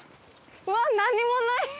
うわあ何もない！